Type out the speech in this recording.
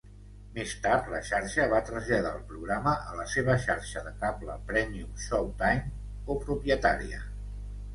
Més tard, la xarxa va traslladar el programa a la seva xarxa de cable prèmium Showtime copropietària.